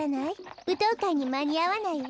ぶとうかいにまにあわないわ。